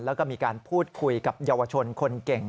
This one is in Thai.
แล้วก็มีการพูดคุยกับเยาวชนคนเก่ง